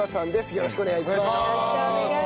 よろしくお願いします。